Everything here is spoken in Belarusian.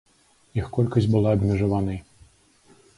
Іх колькасць была абмежаванай.